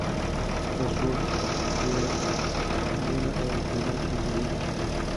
کلسترول په ینه او کولمو کې جوړېږي.